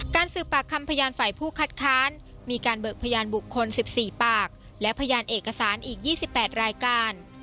การสืบปากคำพยานฝ่ายผู้คัดค้านมีการเบิกพยานบุคคล๑๔ปากและพยานเอกสารอีก๒๘รายการ